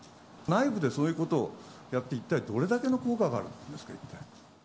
内部でそういうことをやって、一体どれだけの効果があるんですか。